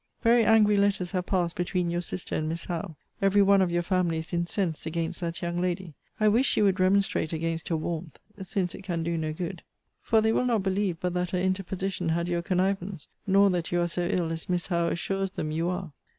Very angry letters have passed between your sister and Miss Howe. Every one of your family is incensed against that young lady. I wish you would remonstrate against her warmth; since it can do no good; for they will not believe but that her interposition had your connivance; nor that you are so ill as Miss Howe assures them you are.